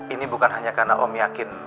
ini bukan hanya karena om yakin